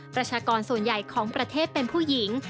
ประชากรส่วนใหญ่ของประเทศเป็นผู้หญิง